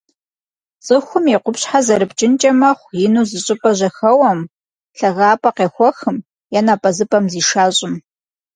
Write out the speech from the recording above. Цӏыхум и къупщхьэ зэрыпкӏынкӏэ мэхъу ину зыщӏыпӏэ жьэхэуэм, лъагапӏэ къехуэхым е напӏэзыпӏэм зишэщӏым.